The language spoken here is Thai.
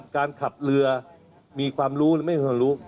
การขับเรือมีความรู้หรือไม่มีความรู้